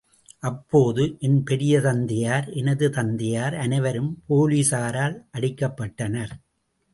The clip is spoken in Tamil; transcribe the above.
அப்போது என் பெரிய தந்தையார், எனது தந்தையார் அனைவரும் போலீஸாரால் அடிக்கப்பட்டனர்.